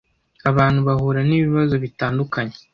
Abantu bahura n’ibibazo bitandukanye.